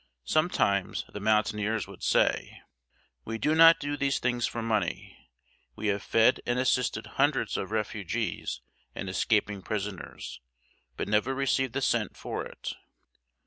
Sometimes the mountaineers would say: "We do not do these things for money. We have fed and assisted hundreds of refugees and escaping prisoners, but never received a cent for it."